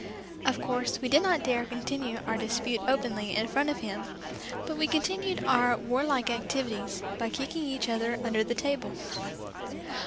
Of course, we did not dare continue our dispute openly in front of him, but we continued our war like activities by kicking each other under the table.